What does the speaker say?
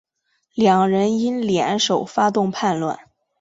两人因而联手发动叛乱。